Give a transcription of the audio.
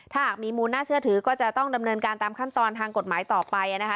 ถ้าหากมีมูลน่าเชื่อถือก็จะต้องดำเนินการตามขั้นตอนทางกฎหมายต่อไปนะคะ